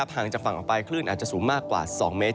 ห่างจากฝั่งออกไปคลื่นอาจจะสูงมากกว่า๒เมตร